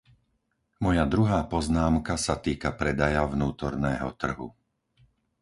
Moja druhá poznámka sa týka predaja vnútorného trhu.